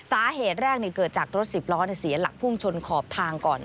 สาเหตุแรกเกิดจากรถสิบล้อเสียหลักพุ่งชนขอบทางก่อน